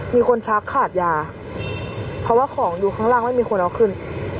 มีคนชักขาดยาเพราะว่าของดูข้างล่างไม่มีคนเอาขึ้น